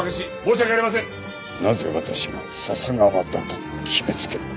なぜ私が笹川だと決めつける？